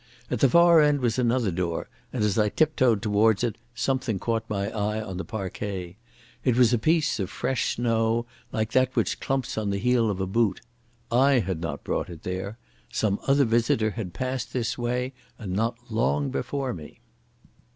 At the far end was another door, and as I tiptoed towards it something caught my eye on the parquet. It was a piece of fresh snow like that which clumps on the heel of a boot. I had not brought it there. Some other visitor had passed this way, and not long before me.